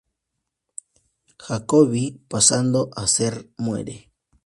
Jacobi, pasando a ser muere.